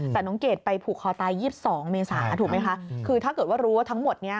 แต่น้องเกดไปผูกคอตาย๒๒เมษาถูกไหมคะคือถ้าเกิดว่ารู้ว่าทั้งหมดนี้